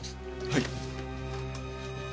はい。